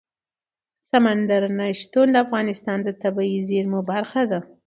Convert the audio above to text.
سمندر نه شتون د افغانستان د طبیعي زیرمو برخه ده.